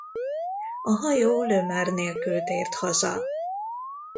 A hajó Le Maire nélkül tért haza.